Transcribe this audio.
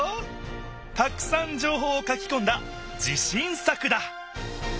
たくさんじょうほうを書きこんだ自しん作だ。